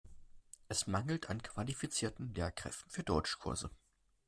Es mangelt an qualifizierten Lehrkräften für Deutschkurse.